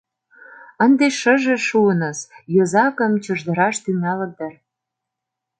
Ынде шыже шуыныс: йозакым чыждыраш тӱҥалыт дыр.